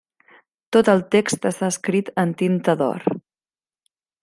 Tot el text està escrit en tinta d'or.